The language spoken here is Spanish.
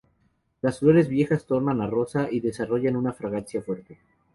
Las flores viejas tornan a rosa y desarrollan una fragancia fuerte.